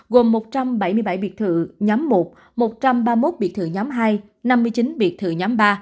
trong đó ba trăm bảy mươi bảy biệt thự thuộc sở hữu nhà nước gồm một trăm bảy mươi bảy biệt thự nhóm một một trăm ba mươi một biệt thự nhóm hai năm mươi chín biệt thự nhóm ba